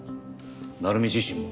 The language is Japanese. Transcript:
鳴海自身も？